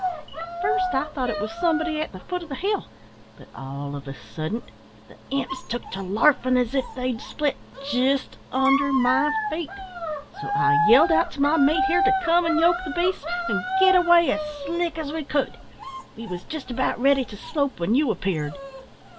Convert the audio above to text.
At first I thought it was somebody at the foot o' the hill, but all of a suddent the imps took to larfin' as if they'd split, jist under my feet, so I yelled out to my mate here to come an' yoke the beasts and git away as slick as we could. We wos jist about ready to slope when you appeared."